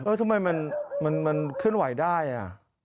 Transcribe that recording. ทำไมมันเคลื่อนไหวได้อ่ะ